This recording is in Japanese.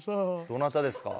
どなたですか？